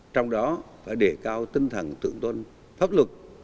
trong đó phải đề cao tinh thần thượng tôn pháp luật